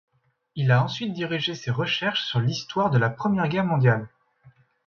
Il a ensuite dirigé ses recherches sur l'histoire de la Première Guerre mondiale.